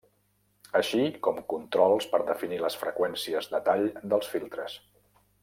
Així com controls per definir les freqüències de tall dels filtres.